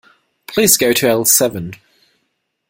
Please go to aisle seven.